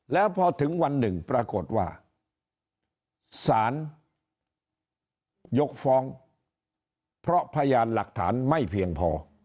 แล้วพอถึงวันหนึ่งปรากฏว่าสารยกฟ้องเพราะพยานหลักฐานไม่เพียงพอ